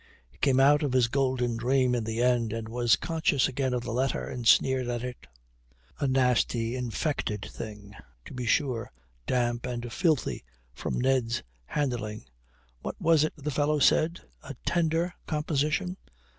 He came out of this golden dream in the end, and was conscious again of the letter, and sneered at it. A nasty, infected thing, to be sure, damp and filthy from Ned's handling. What was it the fellow said? A tender composition?